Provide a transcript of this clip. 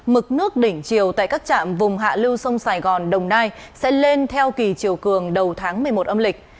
mực nước đỉnh chiều tại các trạm vùng hạ lưu sông sài gòn đồng nai sẽ lên theo kỳ chiều cường đầu tháng một mươi một âm lịch